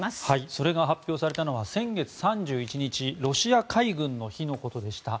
それが発表されたのは先月３１日ロシア海軍の日のことでした。